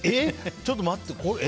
ちょっと待ってえ？